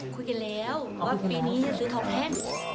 คุยกันแล้วว่าปีนี้จะซื้อทองแท่น